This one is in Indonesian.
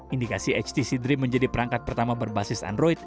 indikasi htc dream menjadi perangkat pertama berbasis android